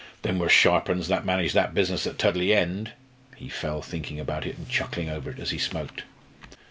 "Them were sharp uns that managed that business at Tudley End!" He fell thinking about it and chuckling over it as he smoked.